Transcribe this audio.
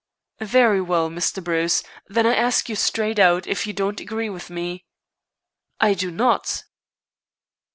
"Very well, Mr. Bruce. Then I ask you straight out if you don't agree with me?" "I do not."